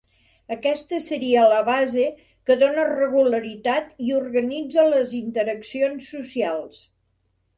Aquesta seria la base que dóna regularitat i organitza les interaccions socials.